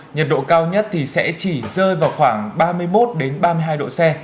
nhiệt độ cao nhất thì sẽ chỉ rơi vào khoảng ba mươi một ba mươi hai độ c